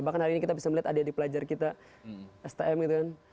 bahkan hari ini kita bisa melihat adik adik pelajar kita stm gitu kan